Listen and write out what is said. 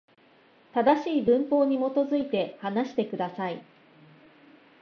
正しい文法に基づいて、話してください。